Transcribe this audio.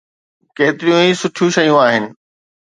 ڪيتريون ئي سٺيون شيون آهن.